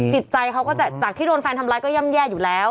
จิตใจเขาก็จะจากที่โดนแฟนทำร้ายก็ย่ำแย่อยู่แล้ว